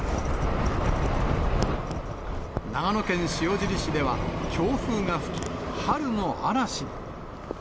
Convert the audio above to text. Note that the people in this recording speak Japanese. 長野県塩尻市では、強風が吹き、春の嵐に。